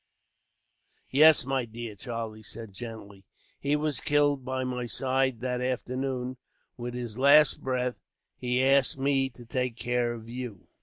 "Yes, my dear," Charlie said gently. "He was killed by my side, that afternoon. With his last breath, he asked me to take care of you."